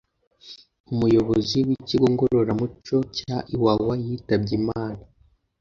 Umuyobozi w’ikigo ngorora muco cya iwawa yitabye imana